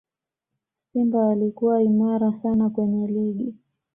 simba walikuwa imara sana kwenye ligi